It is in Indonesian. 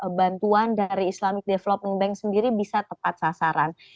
dan bantuan dari islamic development bank sendiri bisa tepat sasaran